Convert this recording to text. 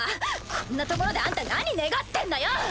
こんな所であんた何ネガってんのよ！